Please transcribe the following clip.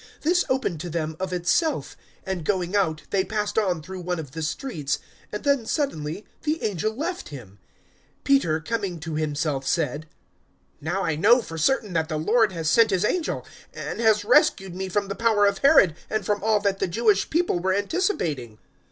This opened to them of itself; and, going out, they passed on through one of the streets, and then suddenly the angel left him. 012:011 Peter coming to himself said, "Now I know for certain that the Lord has sent His angel and has rescued me from the power of Herod and from all that the Jewish people were anticipating."